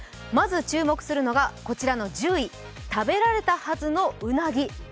まず注目するのがこちらの１０位、食べられたはずのうなぎ。